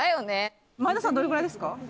前田さん、どれくらいですか？